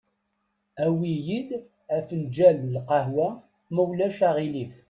Awi-yi-d afenǧal n lqehwa, ma ulac aɣilif.